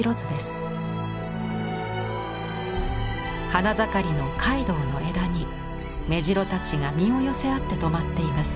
花盛りの海棠の枝に目白たちが身を寄せ合ってとまっています。